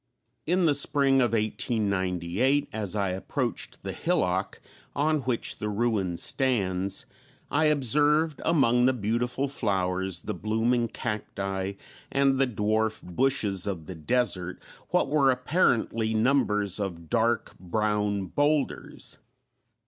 In the spring of 1898, as I approached the hillock on which the ruin stands, I observed, among the beautiful flowers, the blooming cacti, and the dwarf bushes of the desert, what were apparently numbers of dark brown boulders.